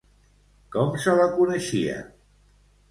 Com se la coneixia?